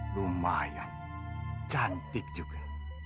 lumayan cantik juga